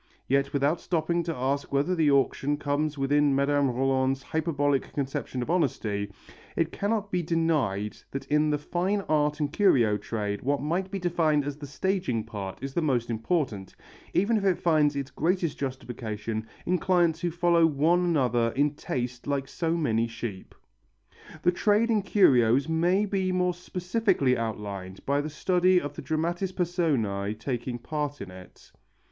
Yet without stopping to ask whether the action comes within Mme. Rolland's hyperbolic conception of honesty, it cannot be denied that in the fine art and curio trade what might be defined as the staging part is the most important, even if it finds its greatest justification in clients who follow one another in taste like so many sheep. The trade in curios may be more specifically outlined by the study of the dramatis personæ taking part in it.